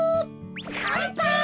かんぱい！